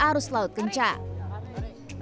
harus laut kencang